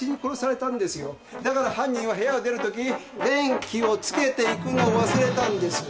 だから犯人は部屋を出るとき電気をつけていくのを忘れたんです。